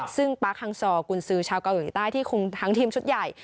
ซึ่งปรักษ์ฮังซอร์กุลซื้อชาวกาวเกาหยุดใต้ที่ทั้งทีมชุดใหญ่